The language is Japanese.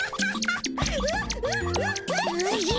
おじゃ。